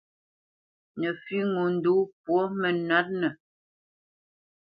Nǝfʉ́ ŋo ndǒ pwo mǝnǝ̌tnǝ.